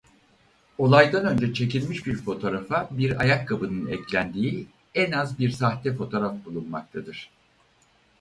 Olaydan önce çekilmiş bir fotoğrafa bir ayakkabının eklendiği en az bir sahte fotoğraf bulunmaktadır.